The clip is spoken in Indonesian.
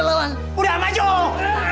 tidak boleh be a man of men